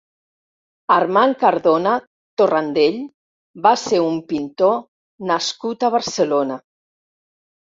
Armand Cardona Torrandell va ser un pintor nascut a Barcelona.